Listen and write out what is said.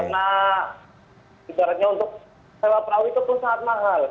karena sebaratnya untuk sewa perawi itu pun sangat mahal